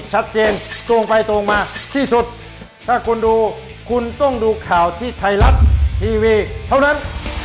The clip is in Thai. ชัดเจนตรงไปตรงมาที่สุดถ้าคุณดูคุณต้องดูข่าวที่ไทยรัฐทีวีเท่านั้น